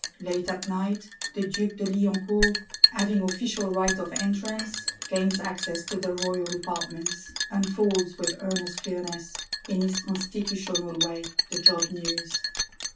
Late at night, the Duke de Liancourt, having official right of entrance, gains access to the Royal Apartments; unfolds, with earnest clearness, in his constitutional way, the Job's news.